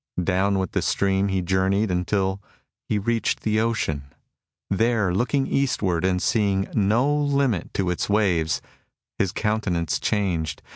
Down with the stream he journeyed east until he reached the ocean. There, looking eastwards and seeing no limit to its waves, his countenance changed.